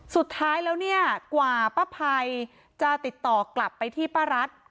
สุดท้ายแล้วเนี่ยกว่าป้าภัยจะติดต่อกลับไปที่ป้ารัฐ